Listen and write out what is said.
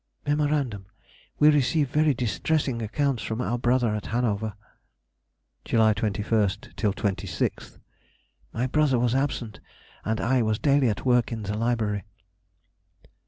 Mem. We received very distressing accounts from our brother at Hanover. July 21st till 26th.—My brother was absent, and I was daily at work in the library.